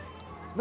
何？